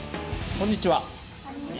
こんにちは。